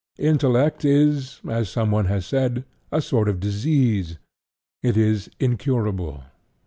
Intellect is, as some one has said, a sort of disease: it is incurable."